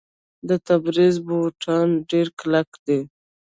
د تبریز بوټان ډیر کلک دي.